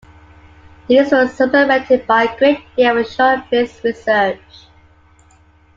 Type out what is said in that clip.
These were supplemented by a great deal of shore-based research.